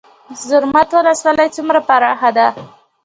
زرمت ولسوالۍ څومره پراخه ده؟